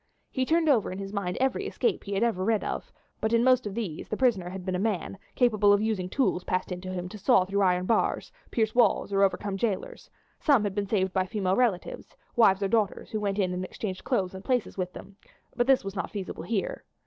He turned over in his mind every escape he had ever read of, but in most of these the prisoner had been a man, capable of using tools passed in to him to saw through iron bars, pierce walls, or overcome jailers; some had been saved by female relatives, wives or daughters, who went in and exchanged clothes and places with them, but this was not feasible here.